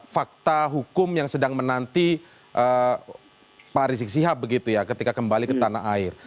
fakta hukum yang sedang menanti pak rizik sihab begitu ya ketika kembali ke tanah air